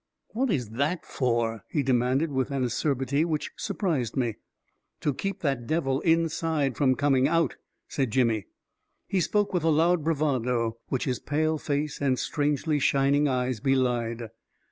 " What is that for? " he demanded, with an acerbity which surprised me. " To keep that devil inside from coming out !" said Jimmy. He spoke with a loud bravado, which his pale face and strangely shining eyes belied.